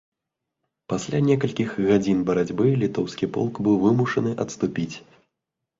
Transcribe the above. Пасля некалькіх гадзін барацьбы літоўскі полк быў вымушаны адступіць.